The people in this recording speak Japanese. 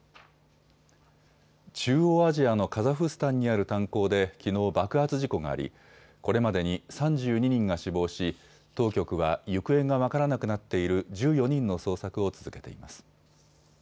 中央アジアのカザフスタンにある炭鉱で、きのう爆発事故がありこれまでに３２人が死亡し当局は行方が分からなくなっている１４人の捜索を続けています。